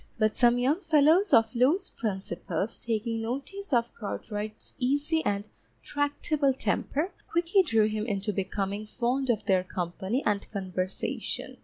But some young fellows of loose principles taking notice of Cartwright's easy and tractable temper, quickly drew him into becoming fond of their company and conversation.